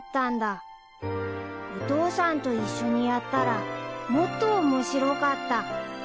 ［お父さんと一緒にやったらもっと面白かった］